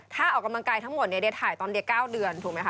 ถ้าออกกำลังกายทั้งหมดถ่ายตอนเดีย๙๐เดือนถูกไหมคะ